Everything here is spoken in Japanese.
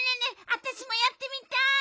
あたしもやってみたい！